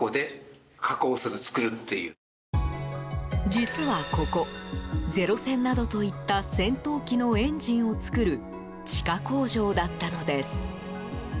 実はここ零戦などといった戦闘機のエンジンを造る地下工場だったのです。